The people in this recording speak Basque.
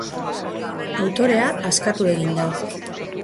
Autorea askatu egin da.